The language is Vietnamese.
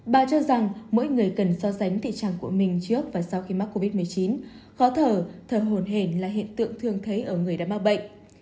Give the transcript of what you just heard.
bà cho rằng mỗi người cần so sánh tình trạng của mình trước và sau khi mắc covid một mươi chín khó thở thở hồn hen là hiện tượng thường thấy ở người đã bao bệnh